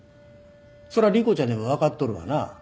それは莉湖ちゃんにも分かっとるわな？